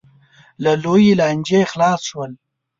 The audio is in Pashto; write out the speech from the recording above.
له لویې لانجې خلاص شول.